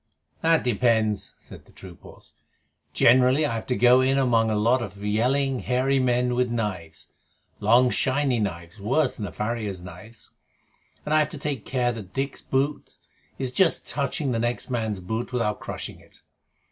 "That depends," said the troop horse. "Generally I have to go in among a lot of yelling, hairy men with knives long shiny knives, worse than the farrier's knives and I have to take care that Dick's boot is just touching the next man's boot without crushing it.